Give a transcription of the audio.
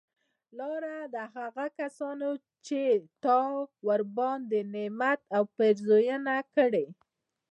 لاره د هغه کسانو چې تا ورباندي نعمت او پیرزونه کړي